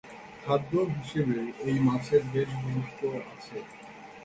খাদ্য হিসাবে এই মাছের বেশ গুরুত্ব আছে।